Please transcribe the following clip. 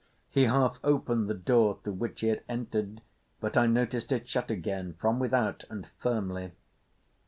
He half opened the door through which he had entered, but I noticed it shut again—from without and firmly.